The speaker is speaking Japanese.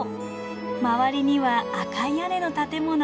周りには赤い屋根の建物。